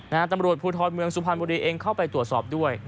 นาฬิบประหลาดภูทธอดเมืองสุพันฑุรีเองเข้าไปตรวจสอบด้วย